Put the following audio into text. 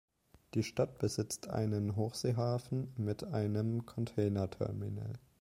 Die Stadt besitzt einen Hochseehafen mit einem Container-Terminal.